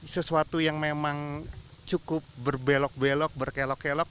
sesuatu yang memang cukup berbelok belok berkelok kelok